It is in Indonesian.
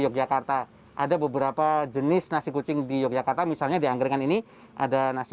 yogyakarta ada beberapa jenis nasi kucing di yogyakarta misalnya di angkringan ini ada nasi